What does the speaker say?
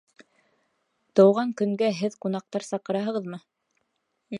Тыуған көнгә һеҙ ҡунаҡтар саҡыраһығыҙмы?